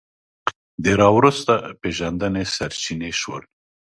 د راوروسته پېژندنې سرچینې شول